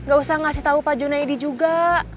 gak usah ngasih tahu pak junaidi juga